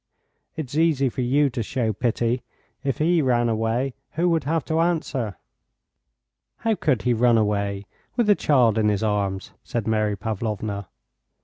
It is easy for you to show pity; if he ran away who would have to answer?" "How could he run away with the child in his arms?" said Mary Pavlovna.